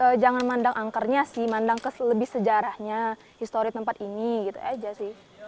ya jangan mandang angkernya sih mandang ke lebih sejarahnya histori tempat ini gitu aja sih